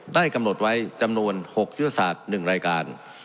ได้กำหนดไว้จำนวน๖ยุทธศาสตร์๑รายการ